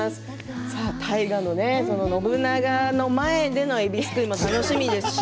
信長の前でのえびすくいも楽しみですね。